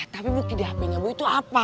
tapi bukannya hpnya boy tuh apa